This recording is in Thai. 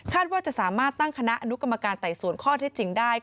ว่าจะสามารถตั้งคณะอนุกรรมการไต่สวนข้อเท็จจริงได้